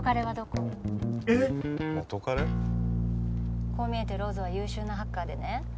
こう見えてローズは優秀なハッカーでね